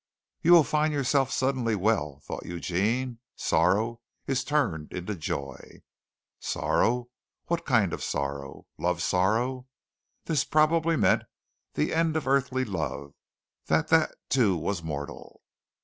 "You will find yourself suddenly well," thought Eugene. "Sorrow is turned into joy." "Sorrow. What kind of sorrow? Love sorrow? This probably meant the end of earthly love; that that too was mortal."